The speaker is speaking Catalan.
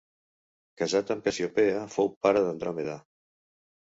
Casat amb Cassiopea, fou pare d'Andròmeda.